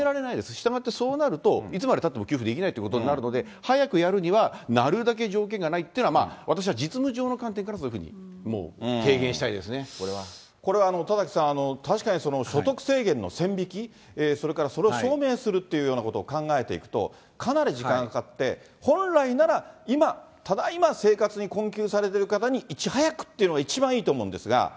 したがって、そうなると、いつまでたっても給付できないということになるので、早くやるにはなるだけ条件がないというのは、私は実務上の観点から、そういうふうにもう提言したいですね、これは田崎さん、確かに所得制限の線引き、それからそれを証明するというようなことを考えていくと、かなり時間がかかって、本来なら今、ただ今、生活に困窮されている方にいち早くっていうのが一番いいと思うんですが。